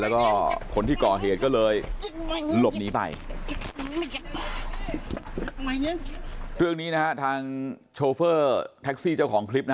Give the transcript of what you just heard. แล้วก็คนที่ก่อเหตุก็เลยหลบหนีไปเรื่องนี้นะฮะทางโชเฟอร์แท็กซี่เจ้าของคลิปนะ